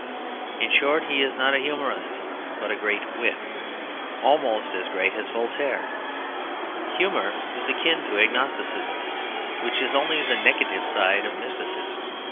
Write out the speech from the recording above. In short he is not a humorist, but a great wit, almost as great as Voltaire. Humour is akin to agnosticism, which is only the negative side of mysticism.